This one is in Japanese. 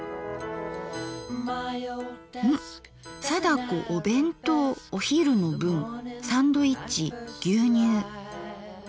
「貞子お弁当おひるの分サンドイッチ牛乳」。